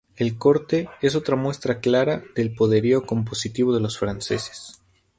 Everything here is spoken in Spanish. El corte es otra muestra clara del poderío compositivo de los franceses.